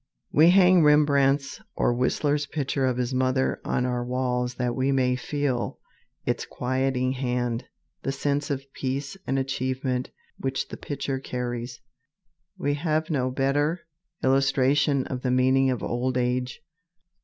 We hang Rembrandt's or Whistler's picture of his mother on our walls that we may feel its quieting hand, the sense of peace and achievement which the picture carries. We have no better illustration of the meaning of old age.